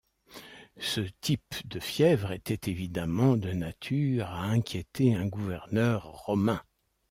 Ce type de fièvre était évidemment de nature à inquiéter un gouverneur romain.